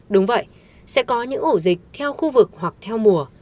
đúng vậy sẽ có những ổ dịch theo khu vực hoặc theo mùa